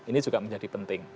ini juga menjadi penting